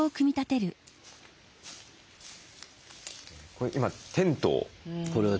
これ今テントを？